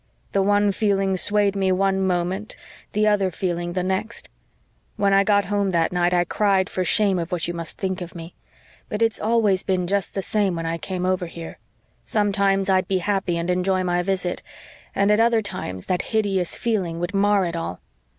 The one feeling swayed me one moment; the other feeling the next. When I got home that night I cried for shame of what you must think of me. But it's always been just the same when I came over here. Sometimes I'd be happy and enjoy my visit. And at other times that hideous feeling would mar it all.